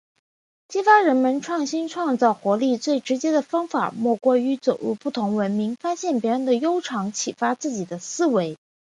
激发人们创新创造活力，最直接的方法莫过于走入不同文明，发现别人的优长，启发自己的思维。